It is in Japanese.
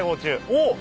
おっ。